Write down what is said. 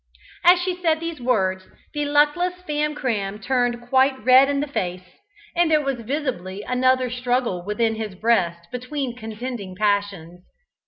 As she said these words, the luckless Famcram turned quite red in the face, and there was visibly another struggle within his breast between contending passions.